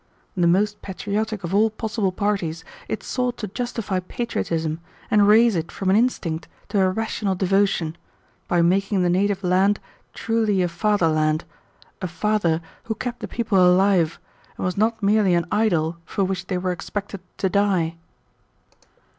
The most patriotic of all possible parties, it sought to justify patriotism and raise it from an instinct to a rational devotion, by making the native land truly a father land, a father who kept the people alive and was not merely an idol for which they were expected to die."